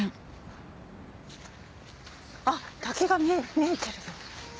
あっ滝が見えてる。